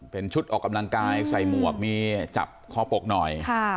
เป็นชุดออกกำลังกายใส่หมวกมีจับคอปกหน่อย